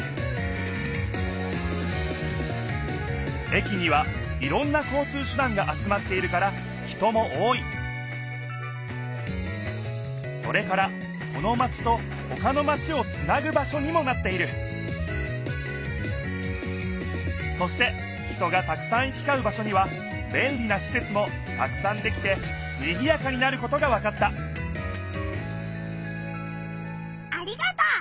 駅にはいろんな交通手だんが集まっているから人も多いそれからこのマチとほかのマチをつなぐ場しょにもなっているそして人がたくさん行きかう場しょにはべんりなしせつもたくさんできてにぎやかになることがわかったありがとう！